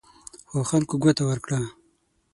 خو خلکو ګوته ورکړه.